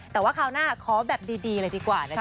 แต่ว่าคราวหน้าขอแบบดีเลยดีกว่านะจ